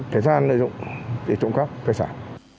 cái gian lợi dụng để trộm khắp cơ sản